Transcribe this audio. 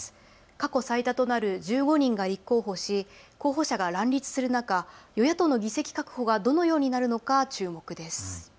過去最多となる１５人が立候補し候補者が乱立する中、与野党の議席確保がどのようになるのか注目です。